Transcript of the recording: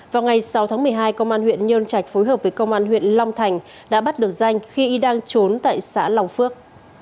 vào ngày sáu tháng một mươi hai công an huyện nhơn trạch phối hợp với công an huyện long thành đã bắt được danh khi y đang trốn tại xã long phước